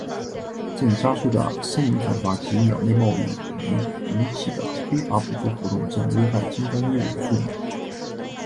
正加速的森林砍伐及鸟类贸易引起的非法捕捉活动正危害金刚鹦鹉的数目。